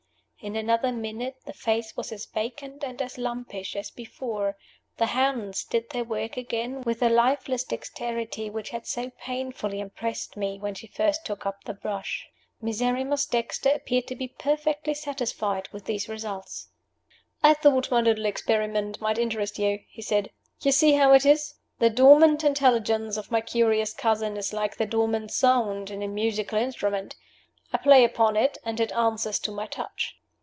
In another minute the face was as vacant and as lumpish as before; the hands did their work again with the lifeless dexterity which had so painfully impressed me when she first took up the brush. Miserrimus Dexter appeared to be perfectly satisfied with these results. "I thought my little experiment might interest you," he said. "You see how it is? The dormant intelligence of my curious cousin is like the dormant sound in a musical instrument. I play upon it and it answers to my touch.